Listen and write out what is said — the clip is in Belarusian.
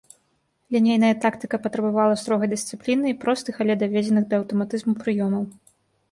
Лінейная тактыка патрабавала строгай дысцыпліны і простых, але даведзеных да аўтаматызму прыёмаў.